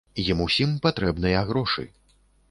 Ім усім патрэбныя грошы.